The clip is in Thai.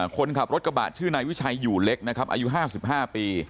คนขับรถกระบะชื่อนายวิชัยอยู่เล็กนะครับอายุ๕๕ปี